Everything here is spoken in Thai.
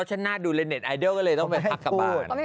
เน็ตไอดล์เหมือนกันเลยก็เลยต้องไปพักกาบาน